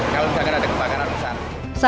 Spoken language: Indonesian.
kalau misalkan ada kebakaran hutan